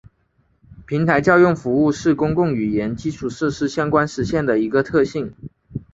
平台叫用服务是公共语言基础设施相关实现的一个特性。